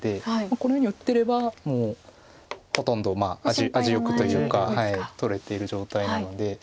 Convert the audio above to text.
このように打ってればもうほとんど味よくというか取れている状態なので。